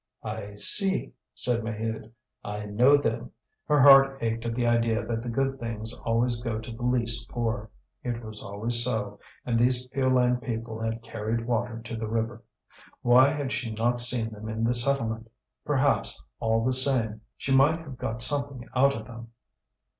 "I see," said Maheude; "I know them." Her heart ached at the idea that the good things always go to the least poor. It was always so, and these Piolaine people had carried water to the river. Why had she not seen them in the settlement? Perhaps, all the same, she might have got something out of them.